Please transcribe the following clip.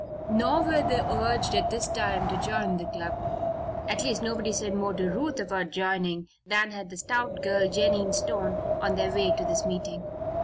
Nor were they urged at this time to join the club. At least, nobody said more to Ruth about joining than had the stout girl, Jennie Stone, on their way to this meeting.